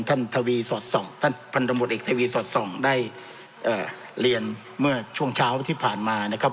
ทวีสอดส่องท่านพันธมตเอกทวีสอดส่องได้เรียนเมื่อช่วงเช้าที่ผ่านมานะครับ